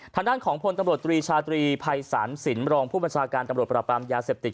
ทางด้านของพลตำรวจตรีชาตรีภัยศาลสินรองผู้บัญชาการตำรวจประปรามยาเสพติด